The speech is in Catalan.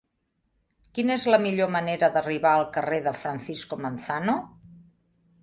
Quina és la millor manera d'arribar al carrer de Francisco Manzano?